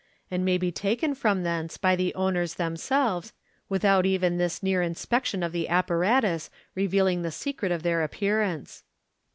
and may be taken from thence by the owners themselves, with out even this near in spection of the apparatus revealing the secret of their appearance.